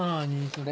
それ。